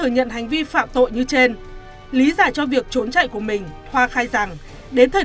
nhận hành vi phạm tội như trên lý giải cho việc trốn chạy của mình hoa khai rằng đến thời